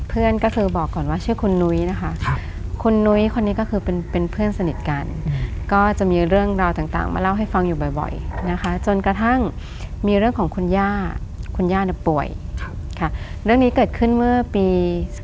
เพื่อนก็คือบอกก่อนว่าชื่อคุณนุ้ยนะคะคุณนุ้ยคนนี้ก็คือเป็นเพื่อนสนิทกันก็จะมีเรื่องราวต่างมาเล่าให้ฟังอยู่บ่อยนะคะจนกระทั่งมีเรื่องของคุณย่าคุณย่าเนี่ยป่วยค่ะเรื่องนี้เกิดขึ้นเมื่อปี๒๕๖